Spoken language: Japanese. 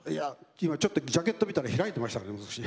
今ちょっとジャケット見たら開いてましたね。